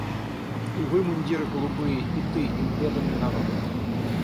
И вы, мундиры голубые, И ты, им преданный народ.